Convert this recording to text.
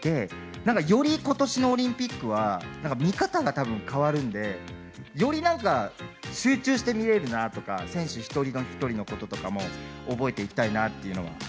なんかよりことしのオリンピックはなんか見方が変わるんで、よりなんか、集中して見れるなとか、選手一人一人のこととかも覚えていきたいなっていうのが。